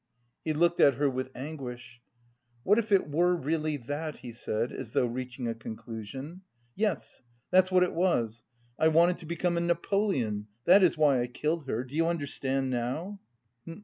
He looked at her with anguish. "What if it were really that?" he said, as though reaching a conclusion. "Yes, that's what it was! I wanted to become a Napoleon, that is why I killed her.... Do you understand now?"